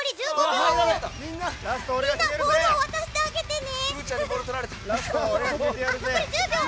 みんなボールを渡してあげてね！